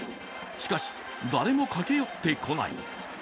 しかし、誰も駆け寄ってこない。